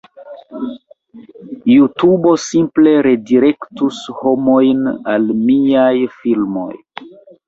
JuTubo simple redirektus homojn al miaj filmoj